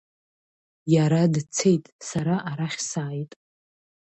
Иара дцет, сара арахь сааит.